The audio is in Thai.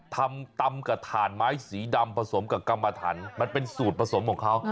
ตำกับถ่านไม้สีดำผสมกับกรรมฐานมันเป็นสูตรผสมของเขา